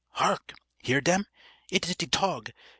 "Hark! Hear dem? It is de tog.